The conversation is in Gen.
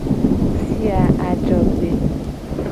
Fia ajogbe.